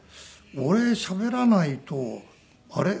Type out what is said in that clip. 俺しゃべらないとあれ？